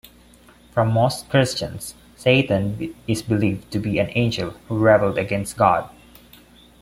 For most Christians, Satan is believed to be an angel who rebelled against God.